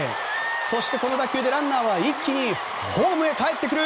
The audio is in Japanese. そしてこの打球でランナーは一気にホームへかえってくる。